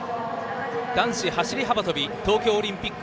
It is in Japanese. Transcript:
男子走り幅跳び東京オリンピック